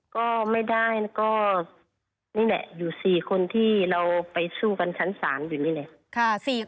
ก็ไม่ได้ก็นี่แหละอยู่๔คนที่เราไปสู้กันชั้นศาลอยู่นี่แหละ